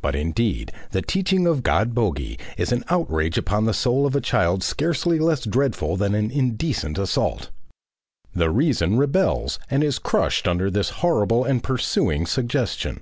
But indeed, the teaching of God Bogey is an outrage upon the soul of a child scarcely less dreadful than an indecent assault. The reason rebels and is crushed under this horrible and pursuing suggestion.